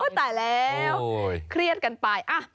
มีกลิ่นหอมกว่า